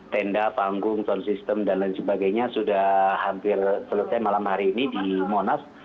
tenda panggung sound system dan lain sebagainya sudah hampir selesai malam hari ini di monas